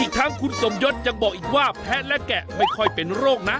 ทั้งคุณสมยศยังบอกอีกว่าแพ้และแกะไม่ค่อยเป็นโรคนะ